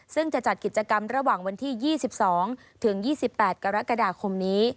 ซึ่งจะจัดกิจกรรมระหว่างวันที่๒๒ถึง๒๒๘กรกฎาคมนี้